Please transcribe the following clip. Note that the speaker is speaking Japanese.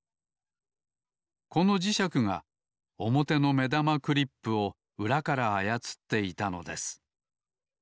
この磁石がおもての目玉クリップをうらからあやつっていたのです。